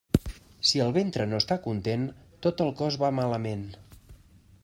Si el ventre no està content, tot el cos va malament.